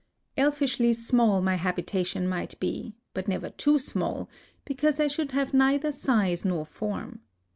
A LIVING GOD 6 Elfishly small my habitation might be, but never too small, because I should have neither size nor form.